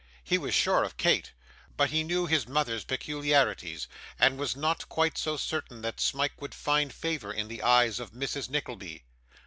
He was sure of Kate, but he knew his mother's peculiarities, and was not quite so certain that Smike would find favour in the eyes of Mrs Nickleby.